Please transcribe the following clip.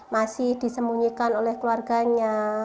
masih disemunyikan oleh keluarganya